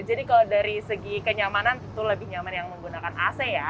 jadi kalau dari segi kenyamanan tentu lebih nyaman yang menggunakan ac ya